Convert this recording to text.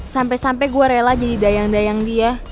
sampai sampai gue rela jadi dayang dayang dia